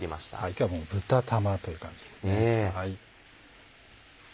今日は豚玉という感じですね。